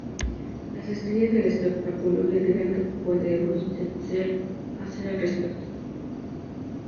Las estrellas del espectáculo le dirán que puede usted hacer al respecto.